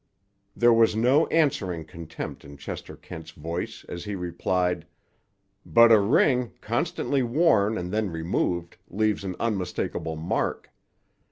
There was no answering contempt in Chester Kent's voice as he replied, "But a ring, constantly worn and then removed, leaves an unmistakable mark.